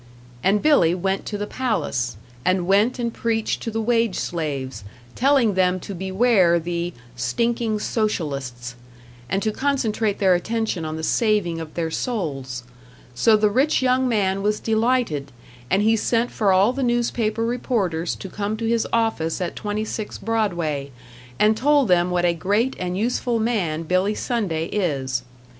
And Billy went to the palace, and went and preached to the wage slaves, telling them to beware the "stinking Socialists", and to concentrate their attention on the saving of their souls; so the rich young man was delighted, and he sent for all the newspaper reporters to come to his office at 26 Broadway, and told them what a great and useful man Billy Sunday is.